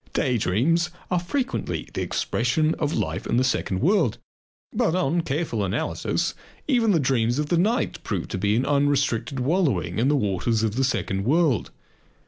Day dreams are frequently the expression of life in the second world. But on careful analysis even the dreams of the night prove to be an unrestricted wallowing in the waters of the second world.